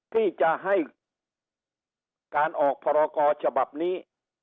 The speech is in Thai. ที่จะให้การออกพรกรฉบับนี้